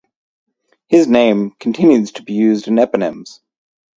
His name continues to be used in eponyms.